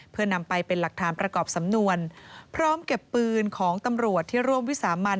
เพื่อนำไปเป็นหลักฐานประกอบสำนวนพร้อมเก็บปืนของตำรวจที่ร่วมวิสามัน